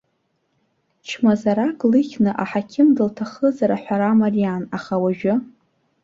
Чмазарак лыхьны, аҳақьым дылҭахызар, аҳәара мариан, аха уажәы?